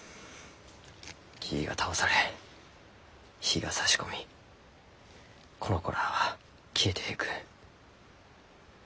木が倒され日がさし込みこの子らは消えていく。